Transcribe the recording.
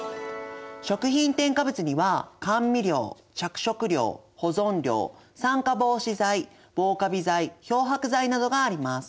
食品添加物には甘味料着色料保存料酸化防止剤防かび剤漂白剤などがあります。